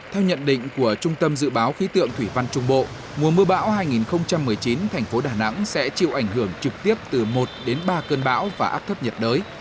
theo nhận định của trung tâm dự báo khí tượng thủy văn trung bộ mùa mưa bão hai nghìn một mươi chín thành phố đà nẵng sẽ chịu ảnh hưởng trực tiếp từ một đến ba cơn bão và áp thấp nhiệt đới